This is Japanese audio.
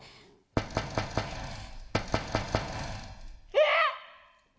えっ！？